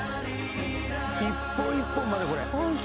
一本一本までこれきれい！